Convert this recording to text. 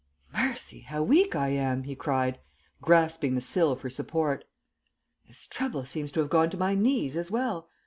"Mercy! How weak I am!" he cried, grasping the sill for support. "This trouble seems to have gone to my knees as well.